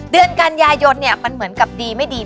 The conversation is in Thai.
เดือนกันยายนเนี่ยมันเหมือนกับดีไม่ดี